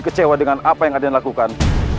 kecewa dengan apa yang aden lakukan